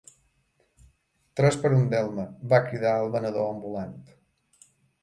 "Tres per un delme", va cridar el venedor ambulant.